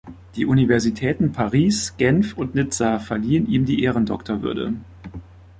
Die Universitäten Paris, Genf und Nizza verliehen ihm die Ehrendoktorwürde.